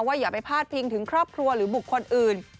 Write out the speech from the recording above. อย่าไปพาดพิงถึงครอบครัวหรือบุคคลอื่น